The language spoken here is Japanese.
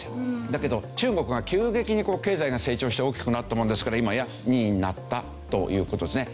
だけど中国が急激に経済が成長して大きくなったもんですから今や２位になったという事ですね。